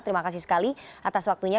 terima kasih sekali atas waktunya